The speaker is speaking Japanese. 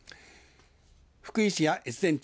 福井市や越前町